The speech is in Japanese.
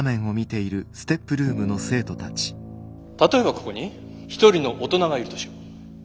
例えばここに１人の大人がいるとしよう。